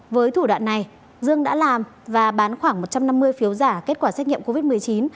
với thủ đoạn này dương đã làm và bán khoảng một trăm năm mươi phiếu giả kết quả xét nghiệm covid một mươi chín